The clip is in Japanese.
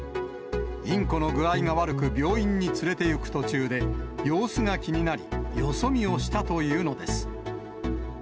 インコの具合が悪く、病院に連れていく途中で、様子が気になり、よそ見をしたというのです。